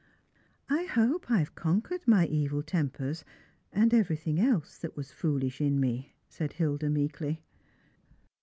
" I hope I have conquered my evil tempers, and everything else that was foolish in me," said Hilda meekly.